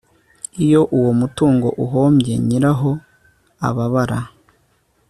iyo uwo mutungo uhombye nyiraho ababara